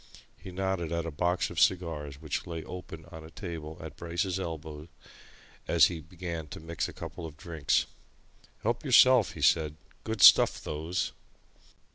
He nodded at a box of cigars which lay open on a table at Bryce's elbow as he began to mix a couple of drinks. "Help yourself," he said. "Good stuff, those."